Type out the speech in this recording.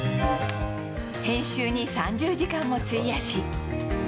編集に３０時間も費やし。